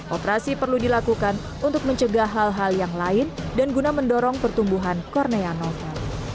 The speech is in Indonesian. operasi perlu dilakukan untuk mencegah hal hal yang lain dan guna mendorong pertumbuhan kornea novel